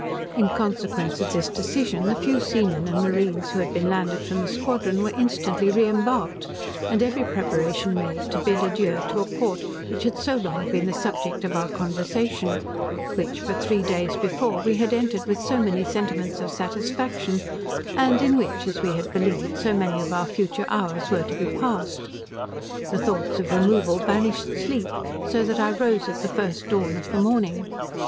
In consequence of this decision, the few seamen and marines who had been landed from the squadron, were instantly reimbarked, and every preparation made to bid adieu to a port which had so long been the subject of our conversation; which but three days before we had entered with so many sentiments of satisfaction; and in which, as we had believed, so many of our future hours were to be passed. The thoughts of removal banished sleep, so that I rose at the first dawn of the morning.